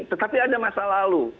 tetapi ada masa lalu